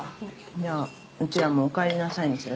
じゃあうちらも「おかえりなさい」にする？